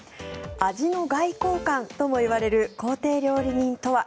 味の外交官ともいわれる公邸料理人とは。